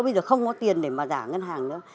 bây giờ không có tiền để mà giả ngân hàng nữa